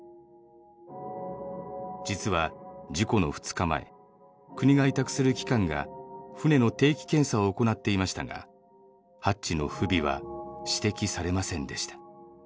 実は事故の２日前国が委託する機関が船の定期検査を行っていましたがハッチの不備は指摘されませんでした。